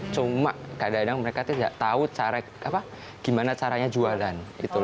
cuma kadang kadang mereka tidak tahu cara gimana caranya jualan